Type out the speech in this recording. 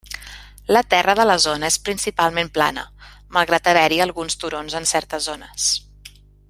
La terra de la zona és principalment plana, malgrat haver-hi alguns turons en certes zones.